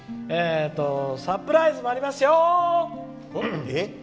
サプライズもありますよ！